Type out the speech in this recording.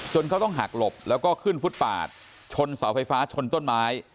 เขาต้องหักหลบแล้วก็ขึ้นฟุตปาดชนเสาไฟฟ้าชนต้นไม้